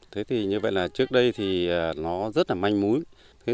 thế thì như vậy là trước đây thì nó rất là manh múi